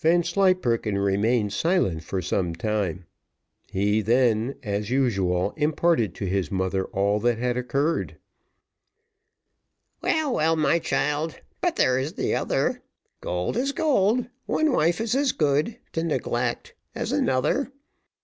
Vanslyperken remained silent for some time. He then, as usual, imparted to his mother all that had occurred. "Well, well, my child; but there is the other one. Gold is gold, one wife is as good to neglect as another.